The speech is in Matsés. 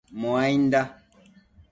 Muainda